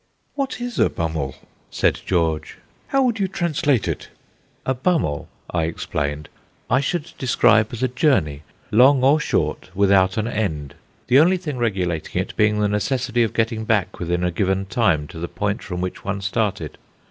"What is a 'Bummel'?" said George. "How would you translate it?" "A 'Bummel'," I explained, "I should describe as a journey, long or short, without an end; the only thing regulating it being the necessity of getting back within a given time to the point from which one started.